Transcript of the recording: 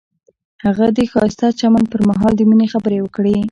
هغه د ښایسته چمن پر مهال د مینې خبرې وکړې.